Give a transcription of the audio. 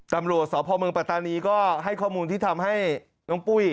ตำรวจสพเมืองปัตตานีก็ให้ข้อมูลที่ทำให้น้องปุ้ย